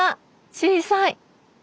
小さい！